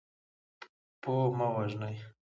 پوه مه وژنئ.